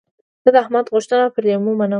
زه د احمد غوښتنه پر لېمو منم.